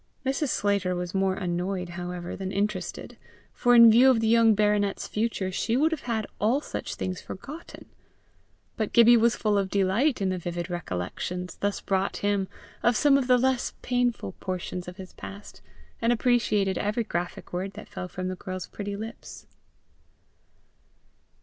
Mrs. Slater was more annoyed, however, than interested, for, in view of the young baronet's future, she would have had all such things forgotten; but Gibbie was full of delight in the vivid recollections thus brought him of some of the less painful portions of his past, and appreciated every graphic word that fell from the girl's pretty lips.